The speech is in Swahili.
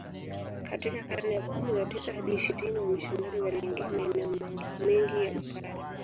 Katika karne ya kumi na tisa hadi ishirini wamisionari waliingia maeneo mengi ya Upare